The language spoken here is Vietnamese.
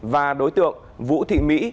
và đối tượng vũ thị mỹ